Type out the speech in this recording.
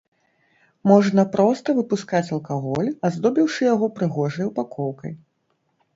Можна проста выпускаць алкаголь, аздобіўшы яго прыгожай ўпакоўкай.